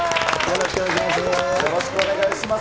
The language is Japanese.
よろしくお願いします。